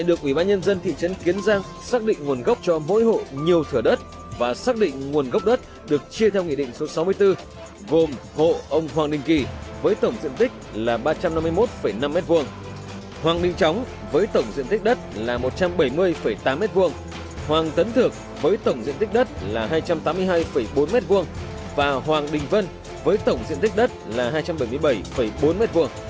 ubnd thị trấn kiến giang xác định nguồn gốc cho mỗi hộ nhiều thửa đất và xác định nguồn gốc đất được chia theo nghị định số sáu mươi bốn gồm hộ ông hoàng đình kỳ với tổng diện tích là ba trăm năm mươi một năm m hai hoàng đình tróng với tổng diện tích đất là một trăm bảy mươi tám m hai hoàng tấn thược với tổng diện tích đất là hai trăm tám mươi hai bốn m hai và hoàng đình vân với tổng diện tích đất là hai trăm bảy mươi bảy bốn m hai